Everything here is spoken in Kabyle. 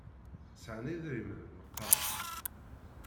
Sɛan idrimen meqqar?